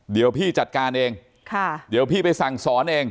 เดี๋ยวพี่จัดการเองค่ะเดี๋ยวพี่ไปสั่งสอนเอง